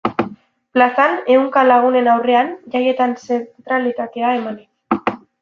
Plazan, ehunka lagunen aurrean, jaietan zentralitatea emanez.